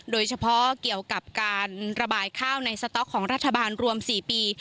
โดยเฉพาะเกี่ยวกับการระบายข้าวในสต๊อกของรัฐบาลรวม๔ปี